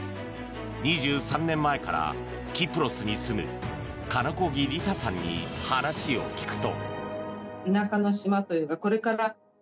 ２３年前からキプロスに住む鹿子木りささんに話を聞くと。